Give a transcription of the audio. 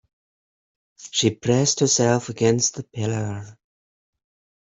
She pressed herself against the pillar.